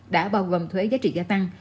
đã bao gồm thuế giá trị gia tăng